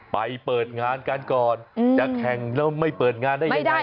เปิดงานกันก่อนจะแข่งแล้วไม่เปิดงานได้ยังไง